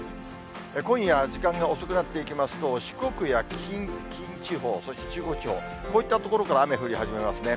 今夜、時間が遅くなっていきますと、四国や近畿地方、そして中国地方、こういった所から雨降り始めますね。